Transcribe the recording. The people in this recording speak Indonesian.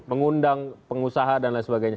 mengundang pengusaha dan lain sebagainya